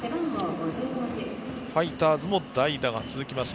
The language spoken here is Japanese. ファイターズも代打が続きます。